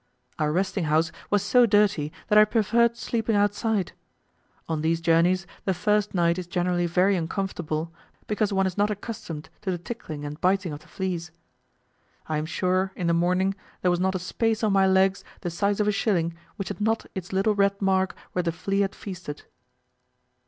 Our resting house was so dirty that I preferred sleeping outside: on these journeys the first night is generally very uncomfortable, because one is not accustomed to the tickling and biting of the fleas. I am sure, in the morning, there was not a space on my legs the size of a shilling which had not its little red mark where the flea had feasted.